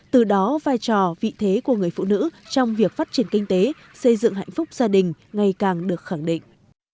từ đó vai trò vị thế của người phụ nữ trong việc phát triển kinh tế xây dựng hạnh phúc gia đình ngày càng được khẳng định